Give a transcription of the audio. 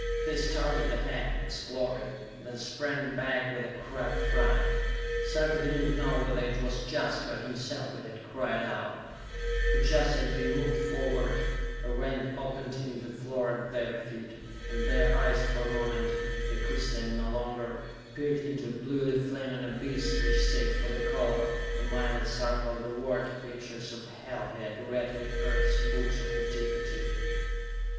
They started ahead, exploring, then sprang back with a cry of fright. Sarka did not know whether it was Jaska or himself who had cried out; for just as they moved forward, a rent opened in the floor at their feet, and their eyes for a moment they could stand no longer peered into a bluely flaming abyss which, save for the color, reminded Sarka of the word pictures of Hell he had read in Earth's books of antiquity!